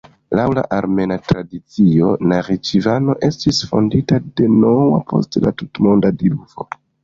Laŭ la armena tradicio, Naĥiĉevano estis fondita de Noa post la tutmonda diluvo.